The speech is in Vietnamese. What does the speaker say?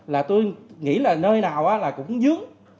là tôi nghĩ là nơi nào là cũng dướng